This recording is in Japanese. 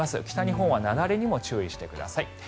北日本は雪崩にも注意してください。